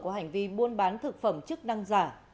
có hành vi buôn bán thực phẩm chức năng giả